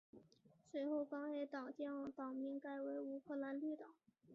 随后该党将党名改为乌克兰绿党。